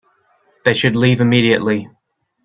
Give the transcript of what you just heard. They should leave immediately.